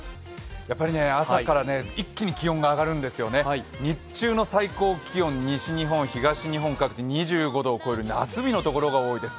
やっぱり朝から一気に気温が上がるんですよね、日中の最高気温は西日本、東日本各地、２５度を超える夏日のところが多いです。